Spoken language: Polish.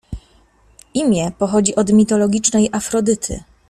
Imię pochodzi od mitologicznej Afrodyty.